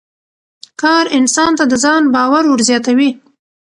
کار انسان ته د ځان باور ور زیاتوي